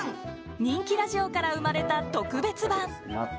人気ラジオから生まれた特別版。